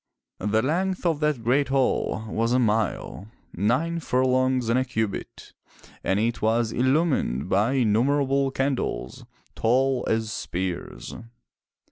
The length of that great hall was a mile, nine furlongs and a cubit, and it was illumined by innum erable candles, tall as spears.